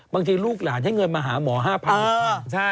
บางทีลูกหลานให้เงินมาหาหมอ๕๐๐๐บาท